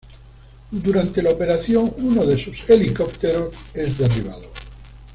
Durante la operación, uno de sus helicópteros es derribado.